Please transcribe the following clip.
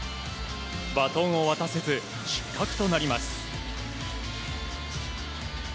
バトンを渡せず失格となります。